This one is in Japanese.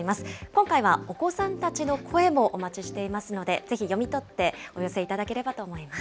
今回はお子さんたちの声もお待ちしていますので、ぜひ読み取ってお寄せいただければと思います。